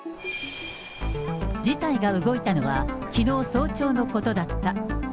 事態が動いたのは、きのう早朝のことだった。